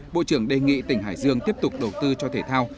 bộ trưởng đề nghị tỉnh hải dương tiếp tục đầu tư cho thể thao